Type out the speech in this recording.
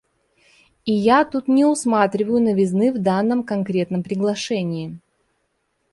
И я тут не усматриваю новизны в данном конкретном приглашении.